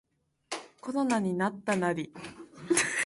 コロナになったナリ